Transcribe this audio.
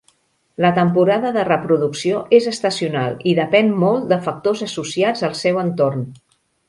La temporada de reproducció és estacional i depèn molt de factors associats al seu entorn.